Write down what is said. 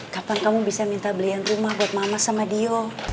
kapan kamu bisa minta belian rumah buat mama sama dio